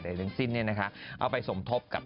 ใดลึกสิ้นเนี่ยนะคะเอาไปสมทบกับ